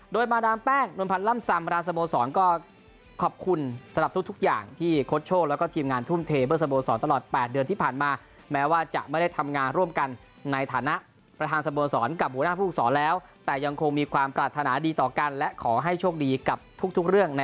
โดยมาดามแป้งนวลพันธ์ล่ำซำราสโมสรก็ขอบคุณสำหรับทุกอย่างที่โค้ชโชคแล้วก็ทีมงานทุ่มเทเพื่อสโมสรตลอด๘เดือนที่ผ่านมาแม้ว่าจะไม่ได้ทำงานร่วมกันในฐานะประธานสโมสรกับหัวหน้าผู้ฝึกศรแล้วแต่ยังคงมีความปรารถนาดีต่อกันและขอให้โชคดีกับทุกเรื่อง